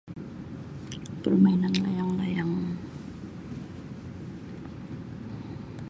Permainan layang-layang.